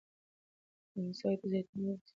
دا مسواک د زيتون له ونې څخه جوړ شوی دی.